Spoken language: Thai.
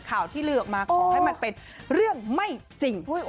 ข่าวที่ลือออกมาขอให้มันเป็นเรื่องไม่จริง